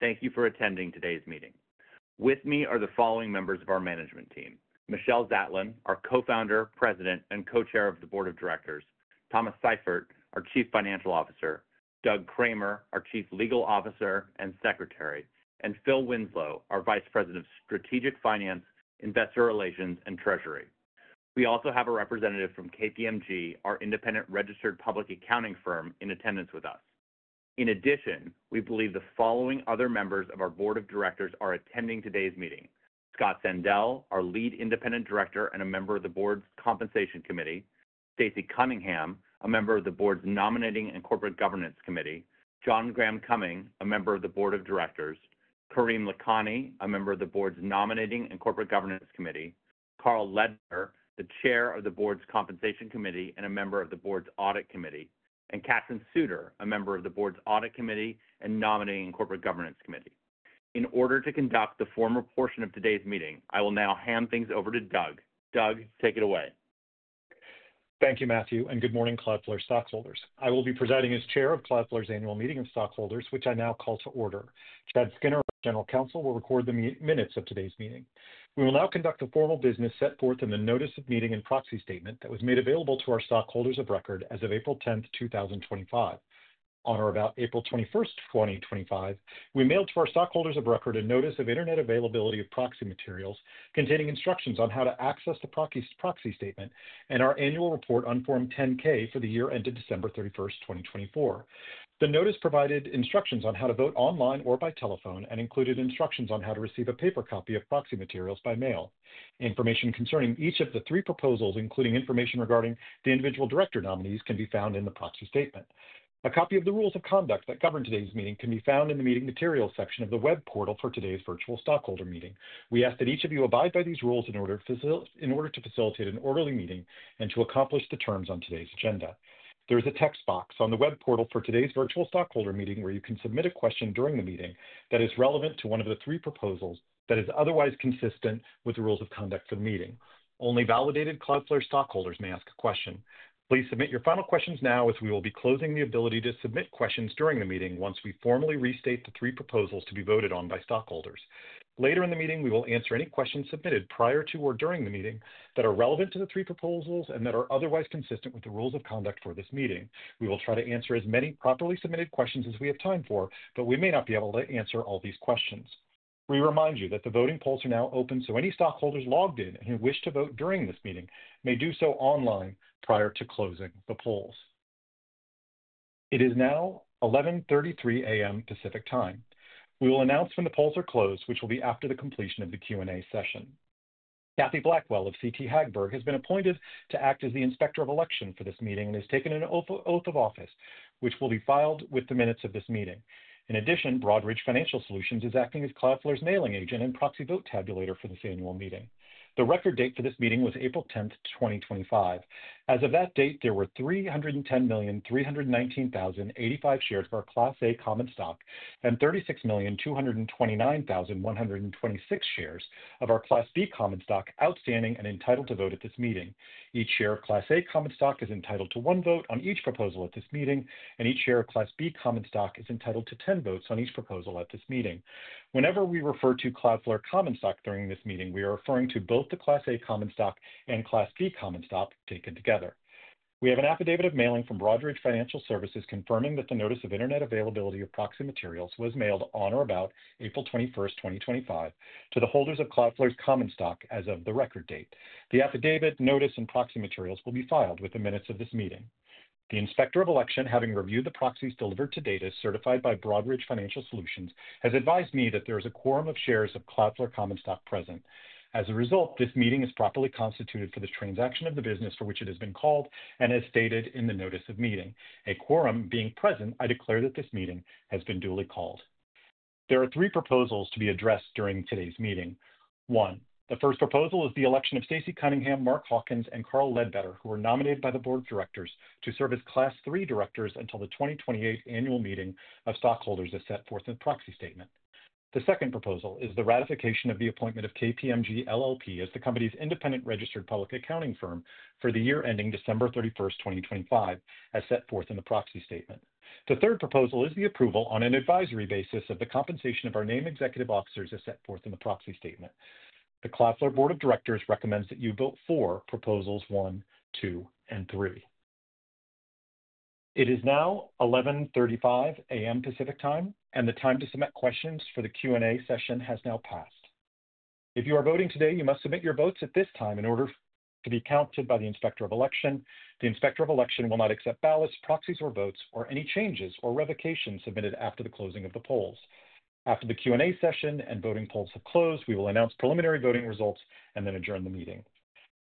Thank you for attending today's meeting. With me are the following members of our management team: Michelle Zatlyn, our Co-founder, President, and Co-Chair of the Board of Directors; Thomas Seifert, our Chief Financial Officer; Doug Kramer, our Chief Legal Officer and Secretary; and Phil Winslow, our Vice President of Strategic Finance, Investor Relations, and Treasury. We also have a representative from KPMG, our independent registered public accounting firm, in attendance with us. In addition, we believe the following other members of our Board of Directors are attending today's meeting: Scott Sandell, our Lead Independent Director and a member of the Board's Compensation Committee, Stacey Cunningham, a member of the Board's Nominating and Corporate Governance Committee, John Graham Cumming, a member of the Board of Directors, Karim Lakhani, a member of the Board's Nominating and Corporate Governance Committee, Carl Ledbetter, the Chair of the Board's Compensation Committee and a member of the Board's Audit Committee, and Katherine Souter, a member of the Board's Audit Committee and Nominating and Corporate Governance Committee. In order to conduct the formal portion of today's meeting, I will now hand things over to Doug. Doug, take it away. Thank you, Matthew, and good morning, Cloudflare stockholders. I will be presiding as Chair of Cloudflare's Annual Meeting of Stockholders, which I now call to order. Chad Skinner, our General Counsel, will record the minutes of today's meeting. We will now conduct the formal business set forth in the Notice of Meeting and Proxy Statement that was made available to our stockholders of record as of April 10, 2025. On or about April 21, 2025, we mailed to our stockholders of record a Notice of Internet Availability of Proxy Materials containing instructions on how to access the Proxy Statement and our Annual Report on Form 10-K for the year ended December 31, 2024. The notice provided instructions on how to vote online or by telephone and included instructions on how to receive a paper copy of proxy materials by mail. Information concerning each of the three proposals, including information regarding the individual director nominees, can be found in the Proxy Statement. A copy of the Rules of Conduct that govern today's meeting can be found in the Meeting Materials section of the web portal for today's virtual stockholder meeting. We ask that each of you abide by these rules in order to facilitate an orderly meeting and to accomplish the terms on today's agenda. There is a text box on the web portal for today's virtual stockholder meeting where you can submit a question during the meeting that is relevant to one of the three proposals that is otherwise consistent with the rules of conduct for the meeting. Only validated Cloudflare stockholders may ask a question. Please submit your final questions now, as we will be closing the ability to submit questions during the meeting once we formally restate the three proposals to be voted on by stockholders. Later in the meeting, we will answer any questions submitted prior to or during the meeting that are relevant to the three proposals and that are otherwise consistent with the Rules of Conduct for this meeting. We will try to answer as many properly submitted questions as we have time for, but we may not be able to answer all these questions. We remind you that the voting polls are now open, so any stockholders logged in and who wish to vote during this meeting may do so online prior to closing the polls. It is now 11:33 A.M. Pacific Time. We will announce when the polls are closed, which will be after the completion of the Q&A session. Kathy Blackwell of CT Hagberg has been appointed to act as the inspector of election for this meeting and has taken an oath of office, which will be filed with the minutes of this meeting. In addition, Broadridge Financial Solutions is acting as Cloudflare's mailing agent and proxy vote tabulator for this Annual Meeting. The record date for this meeting was April 10, 2025. As of that date, there were 310,319,085 shares of our Class A Common Stock and 36,229,126 shares of our Class B Common Stock outstanding and entitled to vote at this meeting. Each share of Class A Common Stock is entitled to one vote on each proposal at this meeting, and each share of Class B Common Stock is entitled to 10 votes on each proposal at this meeting. Whenever we refer to Cloudflare Common Stock during this meeting, we are referring to both the Class A Common Stock and Class B Common Stock taken together. We have an affidavit of mailing from Broadridge Financial Solutions confirming that the Notice of Internet Availability of Proxy Materials was mailed on or about April 21, 2025, to the holders of Cloudflare's Common Stock as of the record date. The affidavit, notice, and proxy materials will be filed with the minutes of this meeting. The Inspector of Election, having reviewed the proxies delivered to data certified by Broadridge Financial Solutions, has advised me that there is a quorum of shares of Cloudflare Common Stock present. As a result, this meeting is properly constituted for the transaction of the business for which it has been called and as stated in the Notice of Meeting. A quorum being present, I declare that this meeting has been duly called. There are three proposals to be addressed during today's meeting. One, the first proposal is the election of Stacey Cunningham, Mark Hawkins, and Carl Ledbetter, who are nominated by the Board of Directors to serve as Class Three Directors until the 2028 Annual Meeting of Stockholders as set forth in the Proxy Statement. The second proposal is the ratification of the appointment of KPMG LLP as the company's independent registered public accounting firm for the year ending December 31, 2025, as set forth in the Proxy Statement. The third proposal is the approval on an advisory basis of the compensation of our named executive officers as set forth in the Proxy Statement. The Cloudflare Board of Directors recommends that you vote for proposals one, two, and three. It is now 11:35 A.M. Pacific Time, and the time to submit questions for the Q&A session has now passed. If you are voting today, you must submit your votes at this time in order to be counted by the inspector of election. The Inspector of Election will not accept ballots, proxies, or votes, or any changes or revocations submitted after the closing of the polls. After the Q&A session and voting polls have closed, we will announce preliminary voting results and then adjourn the meeting.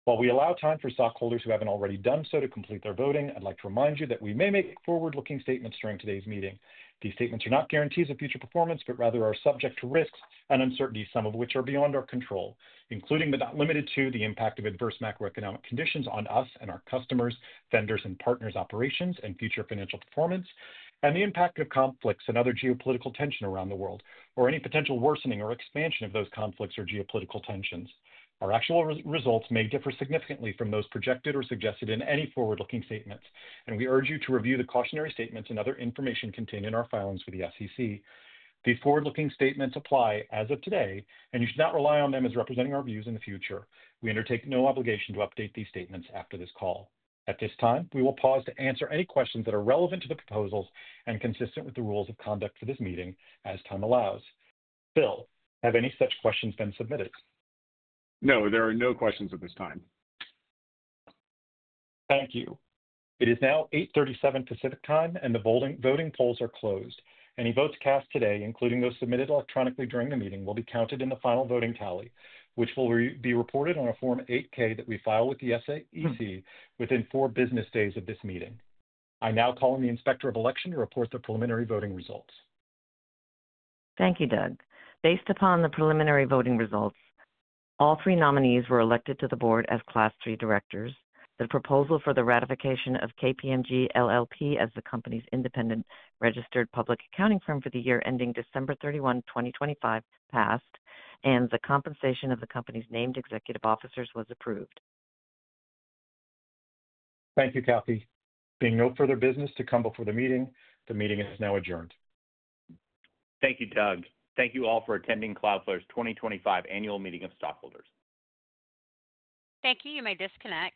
While we allow time for stockholders who haven't already done so to complete their voting, I'd like to remind you that we may make forward-looking statements during today's meeting. These statements are not guarantees of future performance, but rather are subject to risks and uncertainties, some of which are beyond our control, including but not limited to the impact of adverse macroeconomic conditions on us and our customers, vendors, and partners' operations and future financial performance, and the impact of conflicts and other geopolitical tension around the world, or any potential worsening or expansion of those conflicts or geopolitical tensions. Our actual results may differ significantly from those projected or suggested in any forward-looking statements, and we urge you to review the cautionary statements and other information contained in our filings for the SEC. These forward-looking statements apply as of today, and you should not rely on them as representing our views in the future. We undertake no obligation to update these statements after this call. At this time, we will pause to answer any questions that are relevant to the proposals and consistent with the rules of conduct for this meeting as time allows. Phil, have any such questions been submitted? No, there are no questions at this time. Thank you. It is now 8:37 A.M. Pacific Time, and the voting polls are closed. Any votes cast today, including those submitted electronically during the meeting, will be counted in the final voting tally, which will be reported on a Form 8-K that we file with the SEC within four business days of this meeting. I now call on the Inspector of Election to report the preliminary voting results. Thank you, Doug. Based upon the preliminary voting results, all three nominees were elected to the Board as Class Three Directors. The proposal for the ratification of KPMG LLP as the company's independent registered public accounting firm for the year ending December 31, 2025, passed, and the compensation of the company's named executive officers was approved. Thank you, Kathy. Being no further business to come before the meeting, the meeting is now adjourned. Thank you, Doug. Thank you all for attending Cloudflare's 2025 Annual Meeting of Stockholders. Thank you. You may disconnect.